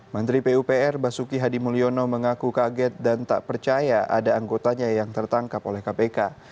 menteri pupr basuki hadi mulyono mengaku kaget dan tak percaya ada anggotanya yang tertangkap oleh kpk